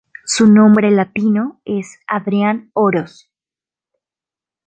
Su nombre latino es "Adrian oros.